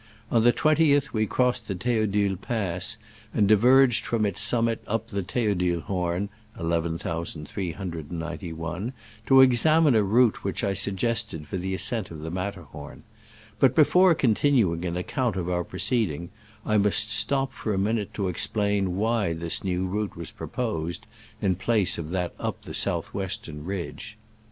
On the 20th we crossed the Th6odule pass, and diverged from its summit up the Theodulhorn (11,391) to examine a route which I suggested for the ascent of the Matterhorn ; but before continuing an account of our proceed ings, I must stop for a minute to explain why this new route was proposed, in place of that up the south western ridge.